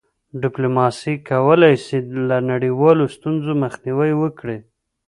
ډيپلوماسي کولی سي له نړیوالو ستونزو مخنیوی وکړي.